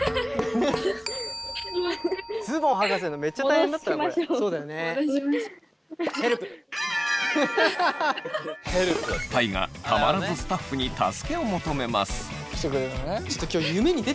大我たまらずスタッフに助けを求めます。